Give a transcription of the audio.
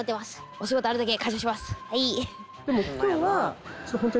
お仕事あるだけ感謝します。